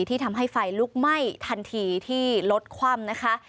ที่ทำให้ไฟลุกไหม้ทันทีที่รถคว่ำนะคะ